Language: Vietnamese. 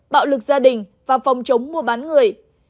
bạo lực gia đình và phòng chống mua bán người